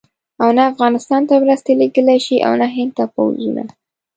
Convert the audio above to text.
او نه افغانستان ته مرستې لېږلای شي او نه هند ته پوځونه.